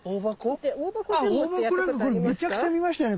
オオバコなんかこれめちゃくちゃ見ましたよね